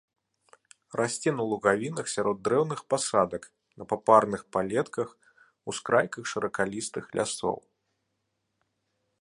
Расце на лугавінах сярод дрэўных пасадак, на папарных палетках, ускрайках шыракалістых лясоў.